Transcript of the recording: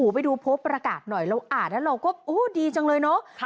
ไปดูโพสต์ประกาศหน่อยเราอ่านแล้วเราก็โอ้ดีจังเลยเนาะ